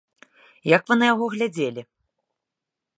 Як вы на яго глядзелі?